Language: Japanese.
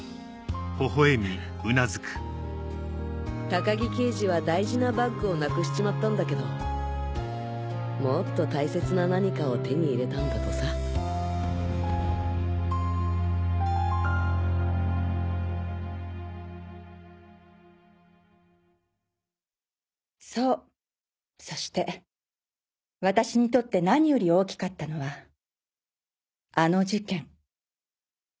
高木刑事は大事なバッグをなくしちまったんだけどもっと大切な何かを手に入れたんだとさそうそして私にとって何より大きかったのはあの事件